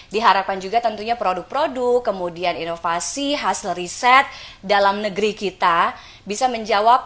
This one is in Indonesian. diharapkan juga tentunya produk produk kemudian inovasi hasil riset dalam negeri kita bisa menjawab